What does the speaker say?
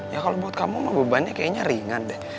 ya kalo buat kamu mah bebannya kayaknya ringan deh